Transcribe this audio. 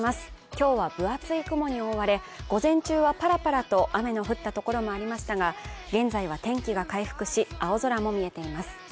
今日は分厚い雲に覆われ午前中はパラパラと雨の降ったところもありましたが現在は天気が回復し青空も見えています。